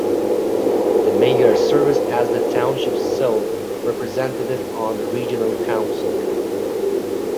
The mayor serves as the township's sole representative on Regional Council.